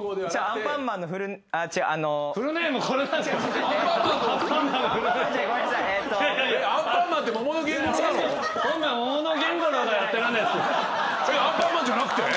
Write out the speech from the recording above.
アンパンマンじゃなくて？